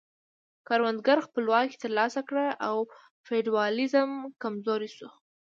کروندګرو خپلواکي ترلاسه کړه او فیوډالیزم کمزوری شو.